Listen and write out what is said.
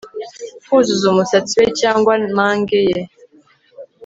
kuzuza umusatsi we cyangwa mange ye